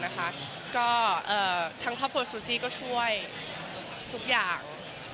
ก็ทางครอบครัวซูซี่ก็ช่วยทุกอย่าง